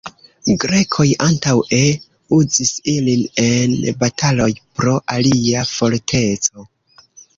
Grekoj antaŭe uzis ilin en bataloj pro ilia forteco.